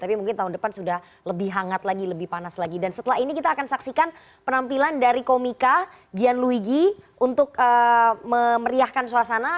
tapi mungkin tahun depan sudah lebih hangat lagi lebih panas lagi dan setelah ini kita akan saksikan penampilan dari komika gian luigi untuk memeriahkan suasana